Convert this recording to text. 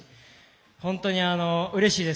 本当に、うれしいです。